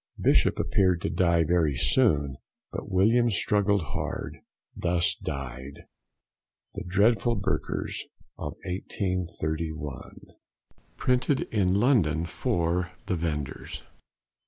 Bishop appeared to die very soon, but Williams struggled hard. Thus died THE DREADFUL BURKERS OF 1831. Printed in London for the Vendors.